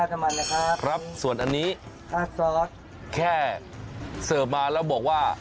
ราดน้ำมันนะครับราดซอสแค่เสิร์ฟมาแล้วบอกว่า